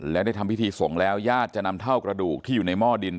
และได้ทำพิธีส่งแล้วญาติจะนำเท่ากระดูกที่อยู่ในหม้อดิน